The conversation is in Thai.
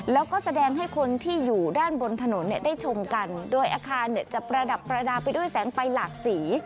แล้วก็แสดงให้คนที่อยู่ด้านบนถนนได้ชมกันโดยอาคารจะประดับประดาษไปด้วยแสงไฟหลากสี